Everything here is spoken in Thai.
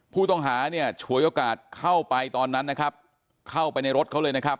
ผู้ต้องหาเนี่ยฉวยโอกาสเข้าไปตอนนั้นนะครับเข้าไปในรถเขาเลยนะครับ